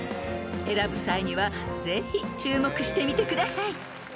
［選ぶ際にはぜひ注目してみてください］